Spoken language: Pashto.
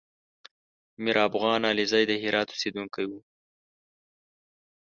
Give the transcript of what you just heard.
میرافغان علیزی د هرات اوسېدونکی و